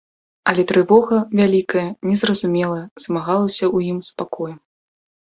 Але трывога, вялікая, незразумелая, змагалася ў ім з спакоем.